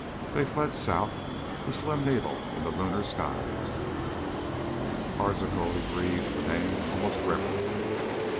They fled south, a slim needle in the lunar skies. "Arzachel...." He breathed the name almost reverently.